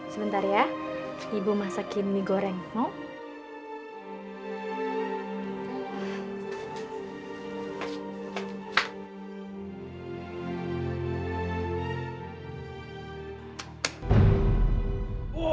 sebentar ya ibu masakin mie goreng